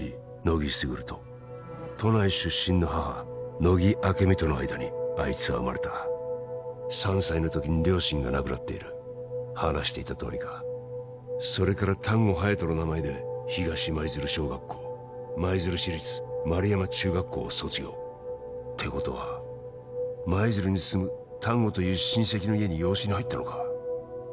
木卓と都内出身の母乃木明美との間にあいつは生まれた３歳の時に両親が亡くなっている話していたとおりかそれから丹後隼人の名前で東舞鶴小学校舞鶴市立丸山中学校を卒業てことは舞鶴に住む丹後という親戚の家に養子に入ったのか？